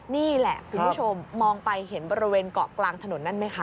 นี่แหละคุณผู้ชมมองไปเห็นบริเวณเกาะกลางถนนนั่นไหมคะ